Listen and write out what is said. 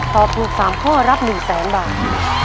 ตอบถูก๓ข้อรับ๑แสนบาท